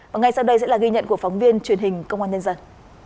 và ngay sau đây sẽ là ghi nhận của phóng viên truyền hình công an nhân dân